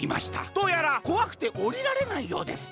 どうやらこわくておりられないようです。